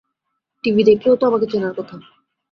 TV দেখলেও তো আমাকে চেনার কথা!